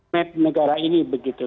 map negara ini begitu